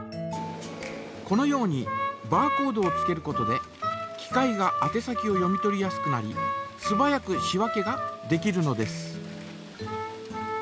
このようにバーコードをつけることで機械があて先を読み取りやすくなりすばやく仕分けができるのです。